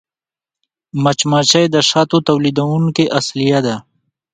مچمچۍ د شاتو تولیدوونکې اصلیه ده